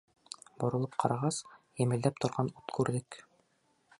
Боролоп ҡарағас, емелдәп торған ут күрҙек.